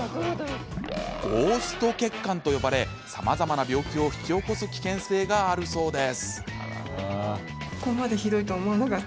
ゴースト血管と呼ばれさまざまな病気を引き起こす危険性があるそうです。